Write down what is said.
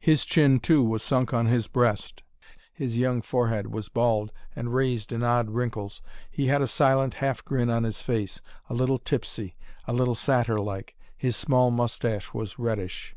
His chin too was sunk on his breast, his young forehead was bald, and raised in odd wrinkles, he had a silent half grin on his face, a little tipsy, a little satyr like. His small moustache was reddish.